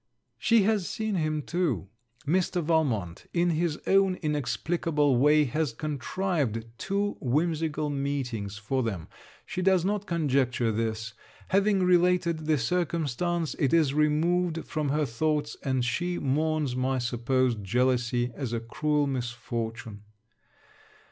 She has seen him too. Mr. Valmont, in his own inexplicable way, has contrived two whimsical meetings for them. She does not conjecture this. Having related the circumstance, it is removed from her thoughts, and she mourns my supposed jealousy, as a cruel misfortune.